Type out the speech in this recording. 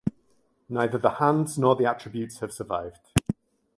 Neither the hands nor the attributes have survived.